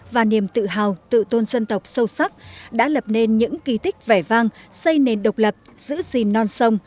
và niềm tự hào tự tôn dân tộc sâu sắc đã lập nên những kỳ tích vẻ vang xây nền độc lập giữ gìn non sông